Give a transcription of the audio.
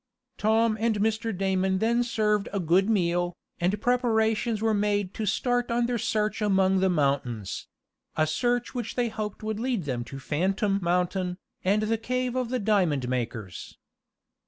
Tom and Mr. Damon then served a good meal, and preparations were made to start on their search among the mountains a search which they hoped would lead them to Phantom Mountain, and the cave of the diamond makers.